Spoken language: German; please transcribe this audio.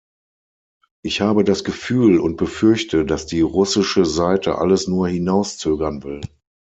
Ich habe das Gefühl und befürchte, dass die russische Seite alles nur hinauszögern will.